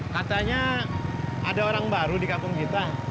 katanya ada orang baru di kampung kita